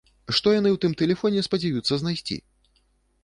Што яны ў тым тэлефоне спадзяюцца знайсці?